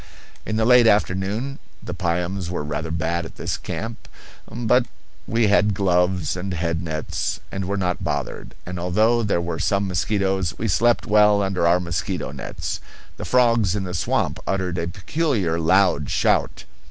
In the late afternoon the piums were rather bad at this camp, but we had gloves and head nets, and were not bothered; and although there were some mosquitoes we slept well under our mosquito nets. The frogs in the swamp uttered a peculiar, loud shout.